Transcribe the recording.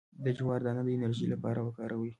د جوار دانه د انرژي لپاره وکاروئ